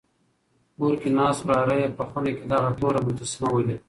کور کې ناست وراره یې په خونه کې دغه توره مجسمه ولیده.